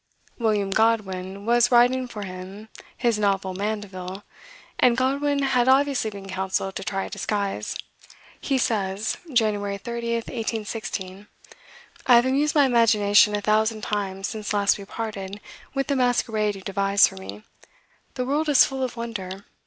William Godwin was writing for him his novel "Mandeville," and Godwin had obviously been counselled to try a disguise. He says (Jan. 30, 1816) "I have amused my imagination a thousand times since last we parted with the masquerade you devised for me. The world is full of wonder.